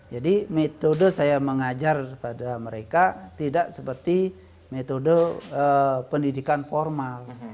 jadi metode saya mengajar pada mereka tidak seperti metode pendidikan formal